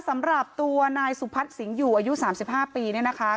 สำหรับตัวนายสุภัทธ์สิงห์อยู่อายุสามสิบห้าปีเนี่ยนะคะ